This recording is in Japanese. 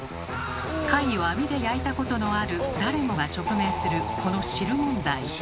貝を網で焼いたことのある誰もが直面するこの汁問題。